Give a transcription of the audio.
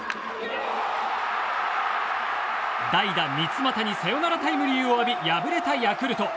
代打、三ツ俣にサヨナラタイムリーを浴び敗れたヤクルト。